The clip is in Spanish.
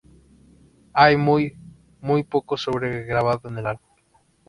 Hay muy, muy poco sobre-grabado en el álbum.